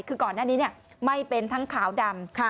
คือก่อนหน้านี้ไม่เป็นทั้งขาวดำ